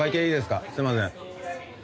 すいません